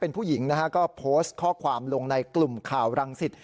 เป็นผู้หญิงนะฮะก็โพสต์ข้อความลงในกลุ่มข่าวรังสิต